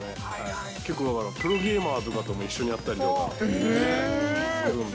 結構だから、プロゲーマーとかとも一緒にやったりとかするんで。